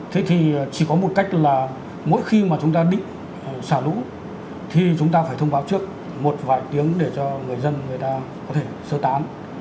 thế thì chỉ có một cách là mỗi khi mà chúng ta định xả lũ thì chúng ta phải thông báo trước một vài tiếng để cho người dân người ta có thể sơ tán